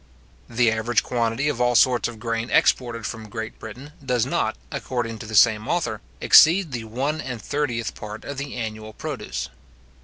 The average quantity of all sorts of grain exported from Great Britain does not, according to the same author, exceed the one and thirtieth part of the annual produce.